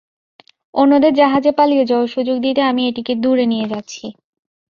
অন্যদের জাহাজে পালিয়ে যাওয়ার সুযোগ দিতে আমি এটিকে দূরে নিয়ে যাচ্ছি।